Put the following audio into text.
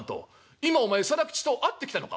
今お前定吉と会ってきたのか？」。